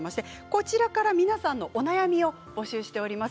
こちらから皆さんのお悩みを募集しています。